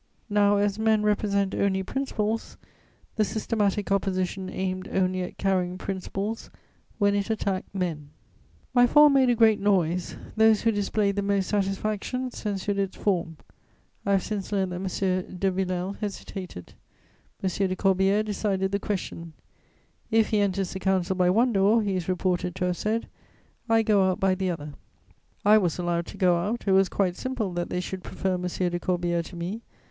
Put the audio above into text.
Now as men represent only principles, the systematic Opposition aimed only at carrying principles when it attacked men. [Sidenote: Effects of my fall.] My fall made a great noise: those who displayed the most satisfaction censured its form. I have since learnt that M. de Villèle hesitated; M. de Corbière decided the question: "If he enters the Council by one door," he is reported to have said, "I go out by the other." I was allowed to go out: it was quite simple that they should prefer M. de Corbière to me.